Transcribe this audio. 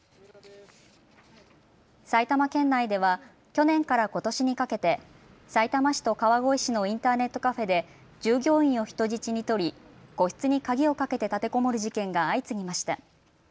埼玉県内では去年からことしにかけて、さいたま市と川越市のインターネットカフェで従業員を人質に取り個室に鍵をかけて立てこもる事件が相次ぎました。